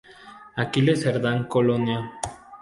Aquiles Serdán Col.